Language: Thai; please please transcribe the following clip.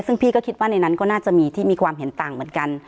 ซึ่งพี่ก็คิดว่าในนั้นก็น่าจะมีที่มีความเห็นต่างเหมือนกัน